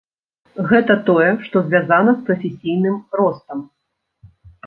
Гэта тое, што звязана з прафесійным ростам.